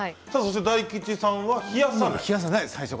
大吉さんは冷やさない。